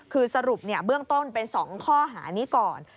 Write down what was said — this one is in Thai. คือสรุปเบื้องต้นเป็น๒ข้อหานี้ก่อน